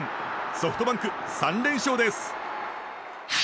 ソフトバンク、３連勝です。